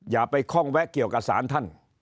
อย่าไปคล่องแวะเกี่ยวกับสารท่าน